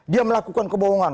dia melakukan kebohongan